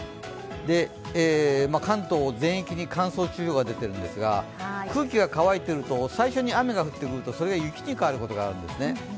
関東全域に乾燥注意報が出ているんですが、空気が乾いていると最初に雨が降ってくるとそれが雪に変わることがあるんですね。